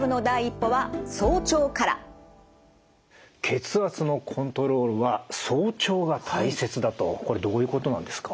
血圧のコントロールは早朝が大切だとこれどういうことなんですか。